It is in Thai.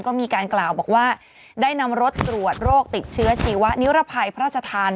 ก็มีการกล่าวบอกว่าได้นำรถตรวจโรคติดเชื้อชีวะนิรภัยพระราชทาน